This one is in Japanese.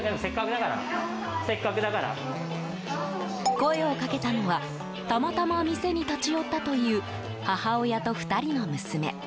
声をかけたのはたまたま店に立ち寄ったという母親と２人の娘。